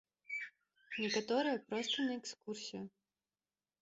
Некаторыя проста на экскурсію.